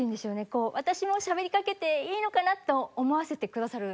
こう私もしゃべりかけていいのかなと思わせてくださる。